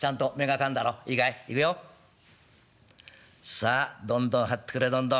さあどんどん張ってくれどんどん。